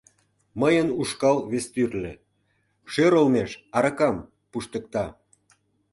— Мыйын ушкал вес тӱрлӧ: шӧр олмеш аракам пуштыкта.